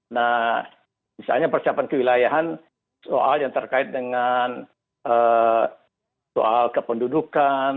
nah misalnya persiapan kewilayahan soal yang terkait dengan soal kependudukan